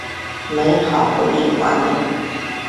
美好回忆画面